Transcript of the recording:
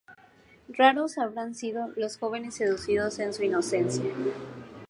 Raros habrán sido los jóvenes seducidos en su inocencia.